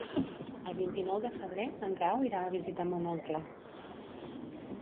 El vint-i-nou de febrer en Grau irà a visitar mon oncle.